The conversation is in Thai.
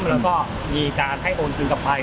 แล้วก็มีการให้โอนคืนกลับไป